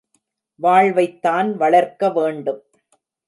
வாழ்வைத்தான் வளர்க்க வேண்டும்.